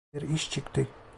Bir iş çıktı.